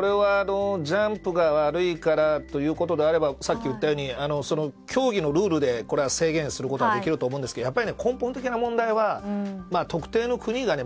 ジャンプが悪いからということであればさっき言ったように競技のルールでこれは制限することはできると思うんですけど根本的な問題は、特定の国が。